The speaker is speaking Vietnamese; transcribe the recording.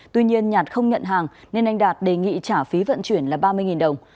tuy nhiên nhạt không nhận hàng nên anh đạt đề nghị trả phí vận chuyển là ba mươi đồng